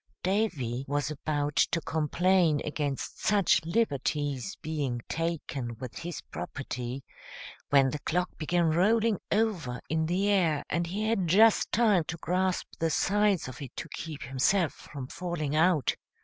Davy was about to complain against such liberties being taken with his property, when the clock began rolling over in the air, and he had just time to grasp the sides of it to keep himself from falling out.